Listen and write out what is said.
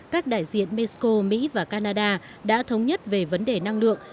các đại diện mexico mỹ và canada đã thống nhất về vấn đề năng lượng